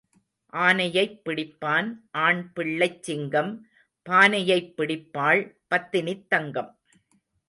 ஆனையைப் பிடிப்பான் ஆண் பிள்ளைச் சிங்கம் பானையைப் பிடிப்பாள் பத்தினித் தங்கம்.